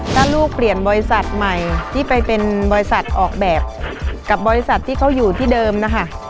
ถ้าลูกเปลี่ยนบริษัทใหม่ที่ไปเป็นบริษัทออกแบบกับบริษัทที่เขาอยู่ที่เดิมนะคะ